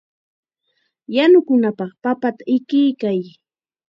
Yanukunapaq papata ikiykay.